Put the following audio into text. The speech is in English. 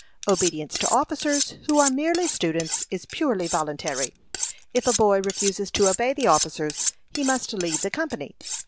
Obedience to officers who are merely students is purely voluntary. If a boy refuses to obey the officers, he must leave the company.